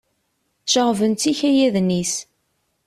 Ceɣɣben-tt ikayaden-is.